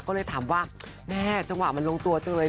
ก็เลยถามว่าแม่จังหวะมันลงตัวจังเลย